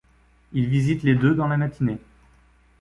Ils visitent les deux dans la matinée.